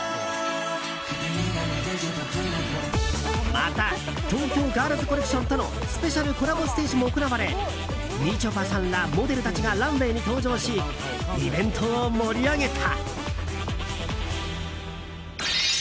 また東京ガールズコレクションとのスペシャルコラボステージも行われみちょぱさんらモデルたちがランウェーに登場しイベントを盛り上げた。